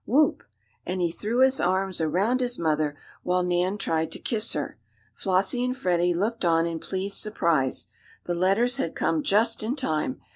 Whoop!" and he threw his arms around his mother, while Nan tried to kiss her. Flossie and Freddie looked on in pleased surprise. The letters had come just in time.